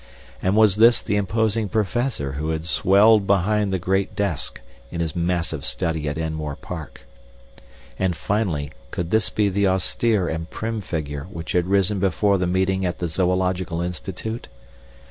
And was this the imposing Professor who had swelled behind the great desk in his massive study at Enmore Park? And, finally, could this be the austere and prim figure which had risen before the meeting at the Zoological Institute?